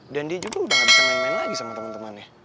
dan dia juga udah gak bisa main main lagi sama temen temennya